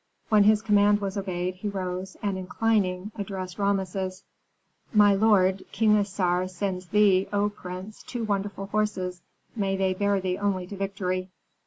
When his command was obeyed he rose and, inclining, addressed Rameses, "My lord, King Assar sends thee, O prince, two wonderful horses, may they bear thee only to victory!